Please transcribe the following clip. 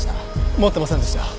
持ってませんでした。